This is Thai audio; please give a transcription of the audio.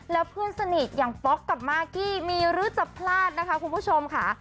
แล้วเพื่อนสนิทอย่างป๊อกกับมากกี้มีหรือจะพลาดนะคะคุณผู้ชมค่ะ